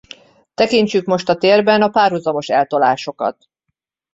Tekintsük most a térben a párhuzamos eltolásokat.